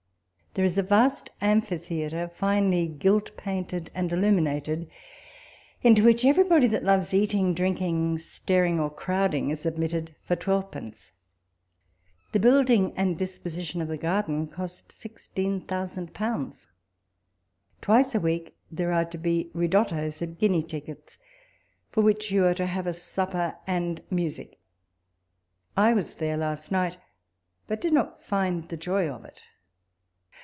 There is a vast amphitheatre, finely gilt, painted, and illuminated, into which everybody that loves eating, drinking, staring, or crowding, is admitted for twelvepence. The building and disposition of the garden cost sixteen thousand pounds. Twice a week there are to be Ridottos, at guinea tickets, for which you are to have a supper and music. I was there last night, but did not find the joy of it.